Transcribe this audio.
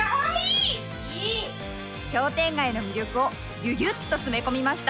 商店街の魅力をぎゅぎゅっと詰め込みました。